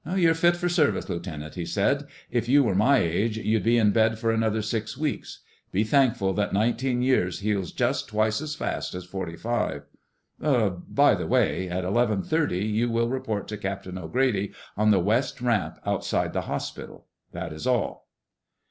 "You're fit for service, Lieutenant," he said. "If you were my age, you'd be in bed for another six weeks. Be thankful that nineteen years heals just twice as fast as forty five! Er—by the way—at eleven thirty you will report to Captain O'Grady on the west ramp outside the hospital. That is all."